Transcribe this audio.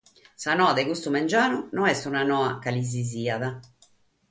Sa noa de custu mangianu no est una noa cale si siat.